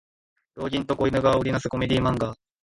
老人と子犬が織りなすコメディ漫画